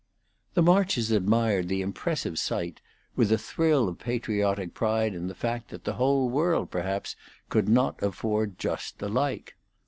The Marches admired the impressive sight with a thrill of patriotic pride in the fact that the whole world perhaps could not afford just the like.